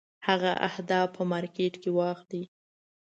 هغه اهداف په مارکېټ کې واخلي.